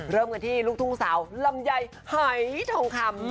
เริ่มกันที่ลูกทุ่งสาวลำไยหายทองคำ